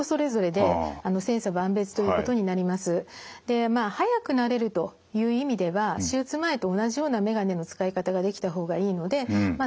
でまあ早く慣れるという意味では手術前と同じような眼鏡の使い方ができた方がいいのでまあ